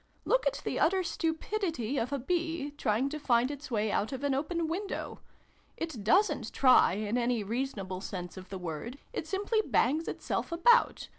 Look at the utter stupidity of a bee, trying to find its way out of an open window! It doesrit try, in any rea sonable sense of the word : it simply bangs itself about